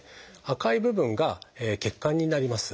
赤い部分が血管になります。